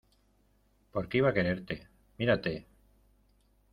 ¿ Por qué iba a quererte? ¡ mírate!